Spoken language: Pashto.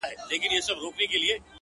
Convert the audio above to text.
o يه پر ما گرانه ته مي مه هېروه ـ